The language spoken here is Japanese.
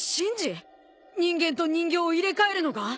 人間と人形を入れ替えるのが！？